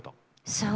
そう。